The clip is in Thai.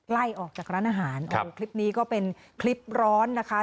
ไล่ออกจากร้านอาหารคลิปนี้ก็เป็นคลิปร้อนนะคะ